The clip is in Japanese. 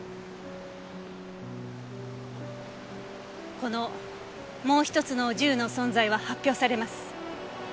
このもう一つの銃の存在は発表されます。